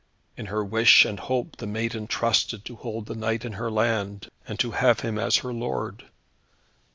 In her wish and hope the maiden trusted to hold the knight in her land, and to have him as her lord.